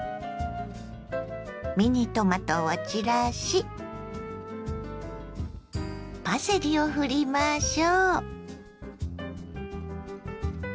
ミニトマトを散らしパセリをふりましょ。